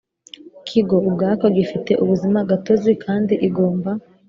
Kigo ubwacyo gifite ubuzima gatozi kandi igomba